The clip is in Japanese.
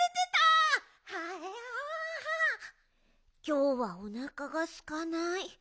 きょうはおなかがすかない。